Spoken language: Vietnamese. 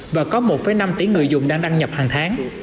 và có một năm tỷ người dùng đang đăng nhập hàng tháng